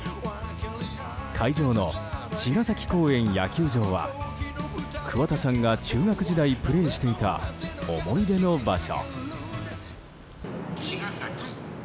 会場の茅ヶ崎公園野球場は桑田さんが中学時代プレーしていた思い出の場所。